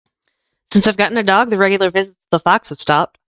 Since I've gotten a dog, the regular visits of the fox have stopped.